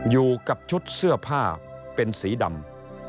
อยู่กับชุดเสื้อผ้าเป็นสีดำ